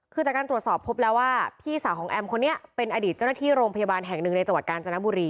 คือจากการตรวจสอบพบแล้วว่าพี่สาวของแอมคนนี้เป็นอดีตเจ้าหน้าที่โรงพยาบาลแห่งหนึ่งในจังหวัดกาญจนบุรี